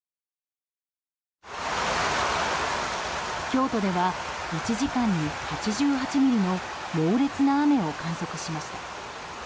京都では、１時間に８８ミリの猛烈な雨を観測しました。